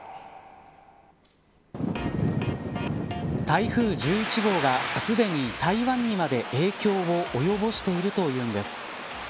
台風１１号が、すでに台湾にまで影響を及ぼしているというのです。